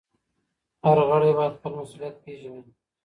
هر غړی بايد خپل مسؤليت پيژني.